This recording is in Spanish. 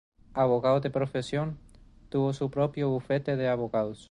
Abogado de profesión, tuvo su propio bufete de abogados.